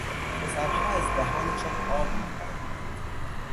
پسرها از دهانشان آب میپراندند.